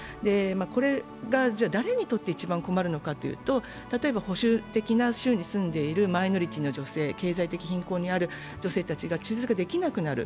これが誰にとって一番困るのかというと例えば保守的な州に住んでいるマイノリティの女性、経済的貧困にある女性たちが中絶ができなくなる。